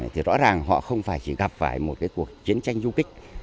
thì rõ ràng họ không phải chỉ gặp phải một cuộc chiến tranh du kích